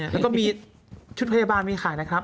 แล้วก็มีชุดพยาบาลมีไข่นะครับ